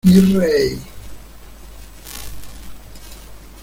¡ mi rey!